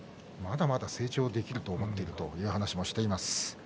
まだまだ成長できると思っているという話をしています。